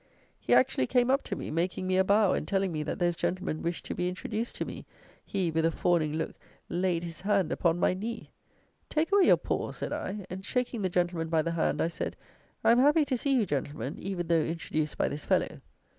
He actually came up to me, making me a bow, and, telling me that those gentlemen wished to be introduced to me, he, with a fawning look, laid his hand upon my knee! "Take away your paw," said I, and, shaking the gentlemen by the hand, I said, "I am happy to see you, gentlemen, even though introduced by this fellow."